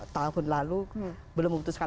tahun lalu belum memutuskan